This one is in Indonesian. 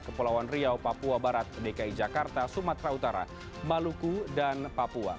kepulauan riau papua barat dki jakarta sumatera utara maluku dan papua